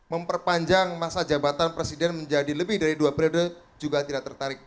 memperpanjang masa jabatan presiden menjadi lebih dari dua periode juga tidak tertarik